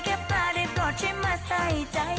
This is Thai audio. แค่ปลาได้ปลอดช่วยมาใส่ใจ